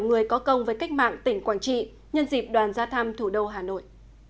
người có công với cách mạng tỉnh quảng trị nhân dịp đoàn ra thăm thủ đô hà nội